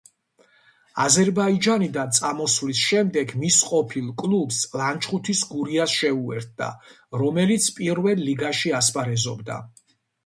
აზერბაიჯანიდან წამოსვლის შემდეგ მის ყოფილ კლუბს, ლანჩხუთის „გურიას“ შეუერთდა, რომელიც პირველ ლიგაში ასპარეზობდა.